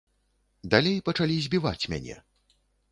Далей пачалі збіваць мяне.